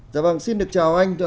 dạ vâng xin được chào anh